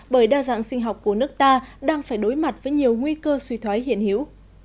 bởi đa dạng sinh học của nước ta đang phải đối mặt với nhiều nguy cơ suy thoái hiển hiểu